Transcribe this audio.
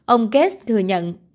ông gates thừa nhận